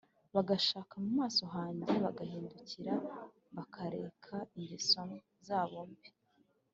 bagashaka mu maso hanjye bagahindukira bakareka ingeso zabo mbi,